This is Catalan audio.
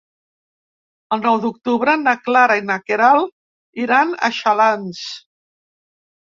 El nou d'octubre na Clara i na Queralt iran a Xalans.